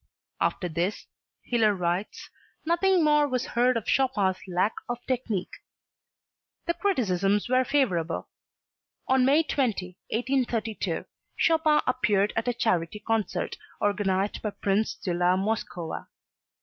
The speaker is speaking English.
"After this," Hiller writes, "nothing more was heard of Chopin's lack of technique." The criticisms were favorable. On May 20, 1832, Chopin appeared at a charity concert organized by Prince de la Moskowa.